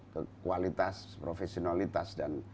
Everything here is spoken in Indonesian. kualitas profesionalitas dan